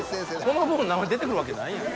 「この部分の名前」で出てくるわけないやん。